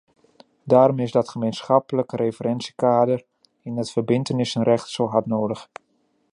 Daarom is dat gemeenschappelijke referentiekader in het verbintenissenrecht zo hard nodig.